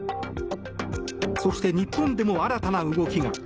そして、日本でも新たな動きが。